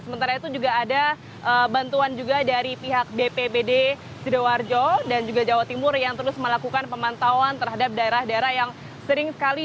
sementara itu juga ada bantuan juga dari pihak bpbd sidoarjo dan juga jawa timur yang terus melakukan pemantauan terhadap daerah daerah yang sering sekali